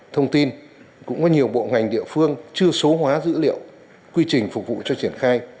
thông tin cũng có nhiều bộ ngành địa phương chưa số hóa dữ liệu quy trình phục vụ cho triển khai